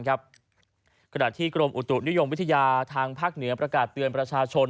ขณะที่กรมอุตุนิยมวิทยาทางภาคเหนือประกาศเตือนประชาชน